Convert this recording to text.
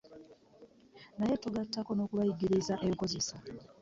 Naye tugattako n'okubayigiriza enkozeza.